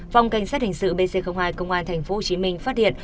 phòng cảnh sát hình sự bc hai công an thành phố hồ chí minh phát hiện